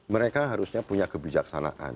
mereka harusnya punya kebijaksanaan